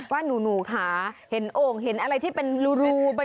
ว่าหนูค่ะเห็นโอ่งเห็นอะไรที่เป็นรู